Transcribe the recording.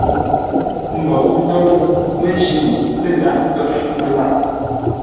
Mbǒu ndǒu məjíno lə ndàghʼ kə́r məlâʼ.